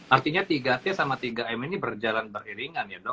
artinya tiga t sama tiga m ini berjalan beriringan ya dok